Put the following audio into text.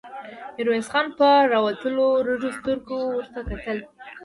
ميرويس خان په راوتلو رډو سترګو ورته کتل.